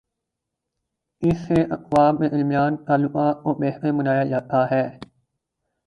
اس سے اقوام کے درمیان تعلقات کو بہتر بنایا جا تا ہے۔